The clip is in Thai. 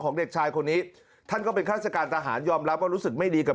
เด็กชายคนนี้ท่านก็เป็นข้าราชการทหารยอมรับว่ารู้สึกไม่ดีกับ